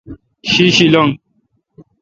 شی شی لنگ۔